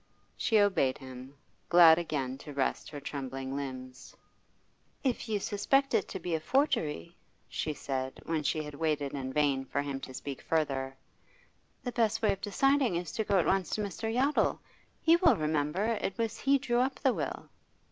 She obeyed him, glad again to rest her trembling limbs. 'If you suspect it to be a forgery,' she said, when she had waited in vain for him to speak further, 'the best way of deciding is to go at once to Mr. Yottle. He will remember; it was he drew up the will.